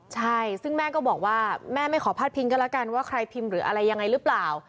ใช่ซึ่งแม่ก็บอกว่าแม่ไม่ขอพาดพิงก็แล้วกันว่าใครพิมพ์หรืออะไรยังไงหรือเปล่า